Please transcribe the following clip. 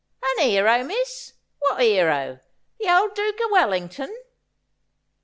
' An 'ero, miss. What 'ero ? The old Dook o' Wellington ?